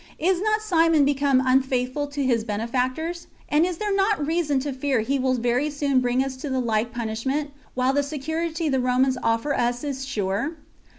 Is not Simon become unfaithful to his benefactors? and is there not reason to fear he will very soon bring us to the like punishment, while the security the Romans offer us is sure?